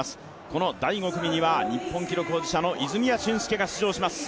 この第５組には日本記録保持者の泉谷駿介が出場します。